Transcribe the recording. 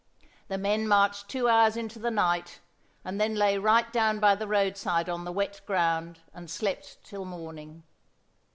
The men marched two hours into the night, and then lay right down by the roadside on the wet ground and slept till morning.